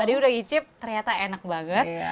tadi udah icip ternyata enak banget